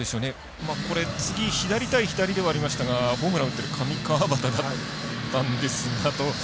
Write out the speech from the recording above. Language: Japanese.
次は左対左ではありましたがホームラン打ってる上川畑だったんですが。